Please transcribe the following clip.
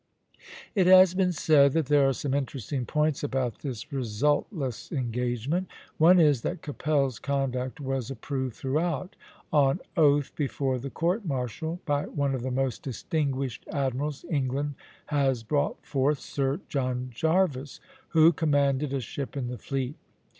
It has been said that there are some interesting points about this resultless engagement. One is, that Keppel's conduct was approved throughout, on oath before the court martial, by one of the most distinguished admirals England has brought forth, Sir John Jervis, who commanded a ship in the fleet.